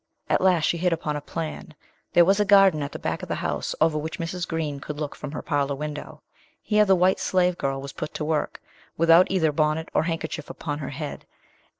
At last she hit upon a plan: there was a garden at the back of the house over which Mrs. Green could look from her parlour window. Here the white slave girl was put to work, without either bonnet or handkerchief upon her head.